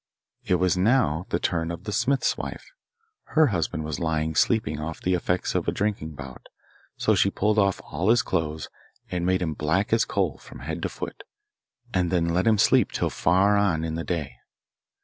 It was now the turn of the smith's wife. Her husband was lying sleeping off the effects of a drinking bout, so she pulled off all his clothes and made him black as coal from head to foot, and then let him sleep till far on in the day.